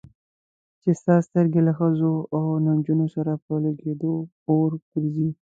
چې ستا سترګې له ښځو او نجونو سره په لګېدو اور ګرځي.